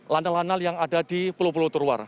lanal lanal yang ada di pulau pulau terluar